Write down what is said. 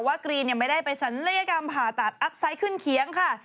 ว่ากรีนยังไม่ได้ไปสรรพยากรามผ่าตัดอัพไซต์ขึ้นเคียงค่ะ